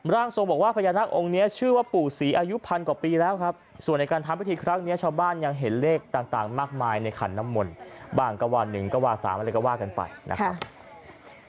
ร่างทรงบอกว่าพญานาคองค์นี้ชื่อว่าปู่ศรีอายุพันกว่าปีแล้วครับส่วนในการทำพิธีครั้งนี้ชาวบ้านยังเห็นเลขต่างมากมายในขันน้ำมนต์บ้างก็ว่า๑ก็ว่า๓อะไรก็ว่ากันไปนะครับ